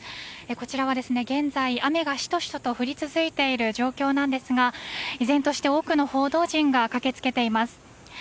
こちらは、現在雨がシトシトと降り続いている状況なんですが依然として多くの報道陣が駆けつけています。